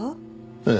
ええ。